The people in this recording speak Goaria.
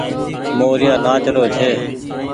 موريآ نآچ رو ڇي۔